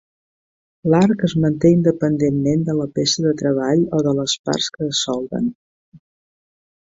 L'arc es manté independentment de la peça de treball o de les parts que es solden.